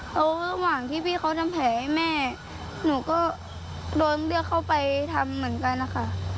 แล้วระหว่างที่พี่เขาทำแผลให้แม่หนูก็โดนเรียกเข้าไปทำเหมือนกันนะคะ